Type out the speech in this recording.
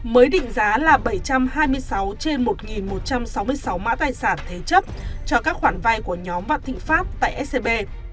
mới định giá là bảy trăm hai mươi sáu trên một một trăm sáu mươi sáu mã tài sản thế chấp cho các khoản vay của nhóm vạn thịnh pháp tại scb